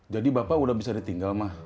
jadi bapak udah bisa ditinggal ma